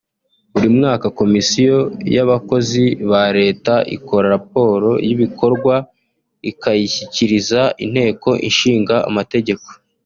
Buri mwaka komisiyo y’abakozi ba leta ikora raporo y’ibikorwa ikayishikiriza inteko ishingamategeko